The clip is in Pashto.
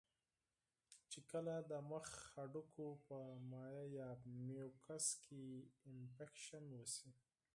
چې کله د مخ د هډوکو پۀ مائع يا ميوکس کې انفکشن اوشي